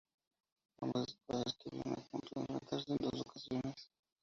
Ambas escuadras estuvieron a punto de enfrentarse en dos ocasiones.